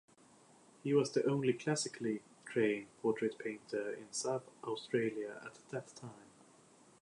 He was the only classically trained portrait painter in South Australia at that time.